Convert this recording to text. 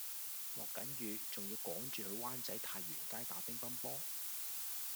落緊雨仲要趕住去灣仔太原街打乒乓波